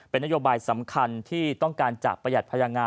เป็นนโยบายสำคัญที่ต้องการจะประหยัดพลังงาน